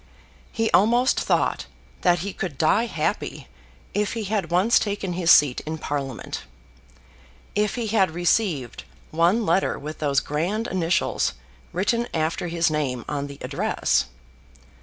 He almost thought that he could die happy if he had once taken his seat in Parliament, if he had received one letter with those grand initials written after his name on the address.